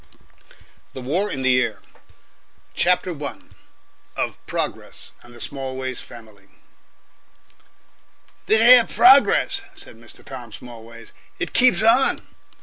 K. THE WAR IN THE AIR CHAPTER I. OF PROGRESS AND THE SMALLWAYS FAMILY 1 "This here Progress," said Mr. Tom Smallways, "it keeps on."